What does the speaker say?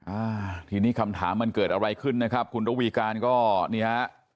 อ่าทีนี้คำถามมันเกิดอะไรขึ้นนะครับคุณระวีการก็เนี่ยฮะ